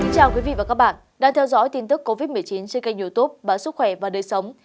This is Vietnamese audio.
chào quý vị và các bạn đang theo dõi tin tức covid một mươi chín trên kênh youtube báo sức khỏe và đời sống